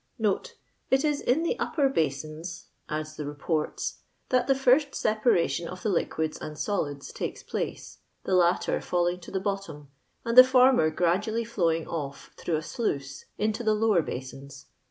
♦*" It i« in the upper boaioB,*' ttddfl the Beporta. " that the first separation of the lianids and aoUcU takes place, the latter fklUng to the bottom, and the former prradually flowing off through a iluioe into tl^o lower basins.